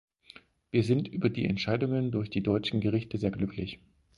Wir sind über die Entscheidung durch die deutschen Gerichte sehr glücklich.